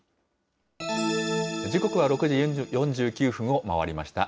時刻は６時４９分を回りました。